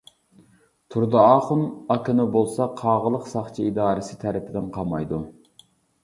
تۇردى ئاخۇن ئاكىنى بولسا قاغىلىق ساقچى ئىدارىسى تەرىپىدىن قامايدۇ.